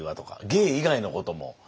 芸以外のことも。